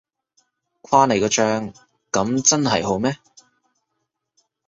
誇你個張，噉真係好咩？